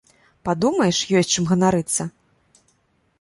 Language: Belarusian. Падумаеш, ёсць чым ганарыцца!